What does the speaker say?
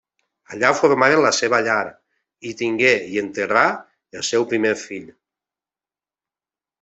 Allà formaren la seva llar; hi tingué i hi enterrà el seu primer fill.